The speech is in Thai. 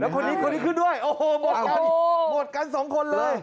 แล้วคนนี้ขึ้นด้วยหมดกัน๒คนเลย